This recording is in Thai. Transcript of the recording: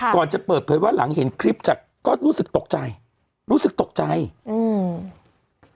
ก่อนจะเปิดเผยว่าหลังเห็นคลิปจากก็รู้สึกตกใจรู้สึกตกใจอืม